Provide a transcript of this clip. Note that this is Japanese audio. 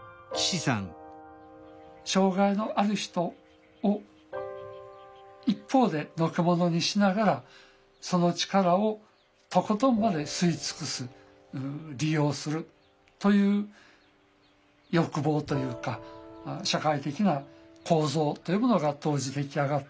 障害のある人を一方でのけ者にしながらその力をとことんまで吸い尽くす利用するという欲望というか社会的な構造というものが当時出来上がっていた。